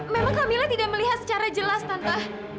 memang kamilah tidak melihat secara jelas tante